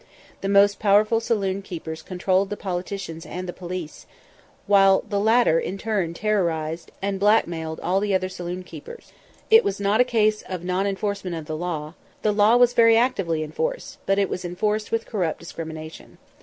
The most powerful saloon keepers controlled the politicians and the police, while the latter in turn terrorized and blackmailed all the other saloon keepers. It was not a case of non enforcement of the law. The law was very actively enforced, but it was enforced with corrupt discrimination.